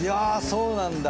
そうなんだ。